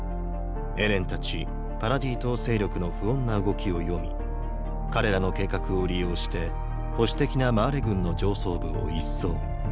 エレンたちパラディ島勢力の不穏な動きを読み彼らの計画を利用して保守的なマーレ軍の上層部を一掃